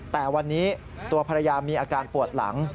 แต่วันนี้ตัวภรรยามีอาการปวดหลัง